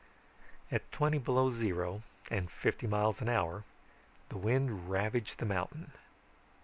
At twenty below zero and fifty miles an hour the wind ravaged the mountain.